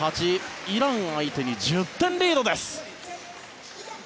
イラン相手に１０点リードです。